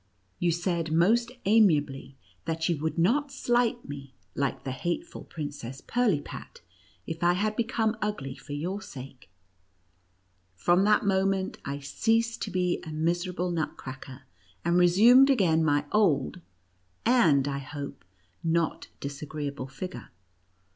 You said most amiably, that you would not slight me, like the hateful Princess Pirlipat, if I had become ugly for your sake. From that moment, I ceased to be a miserable Nutcracker, and resumed again my old — and, I hope, not dis agreeable — figure.